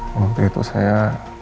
waktu itu saya